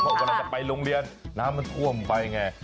เพราะเวลาจะไปโรงเรียนน้ำมันท่วมไปไง